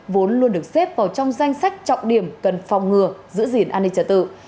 vốn luôn được xếp vào trong danh sách trọng điểm cần phòng ngừa giữ gìn an ninh trả tự